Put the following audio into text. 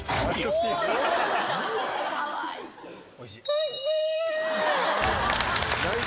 おいしい！